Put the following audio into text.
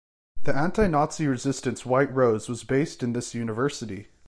The anti-Nazi resistance White Rose was based in this university.